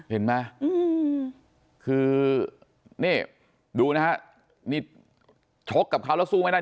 เห็นไหมคือนี่ดูนะฮะนี่ชกกับเขาแล้วสู้ไม่ได้